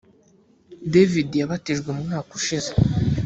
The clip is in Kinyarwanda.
david yabatijwe mu mwaka ushize